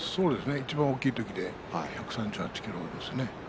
いちばん大きいときで１３８ｋｇでした。